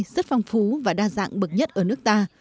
rất phong phú và đa dạng bậc nhất ở nước ta